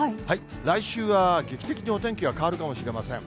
来週は劇的にお天気が変わるかもしれません。